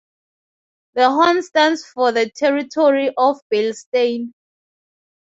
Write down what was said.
The horn stands for the territory of Beilstein.